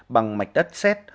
bằng mạch đất xét